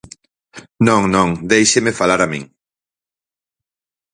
Non, non, déixeme falar a min.